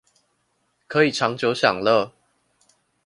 可以長久享樂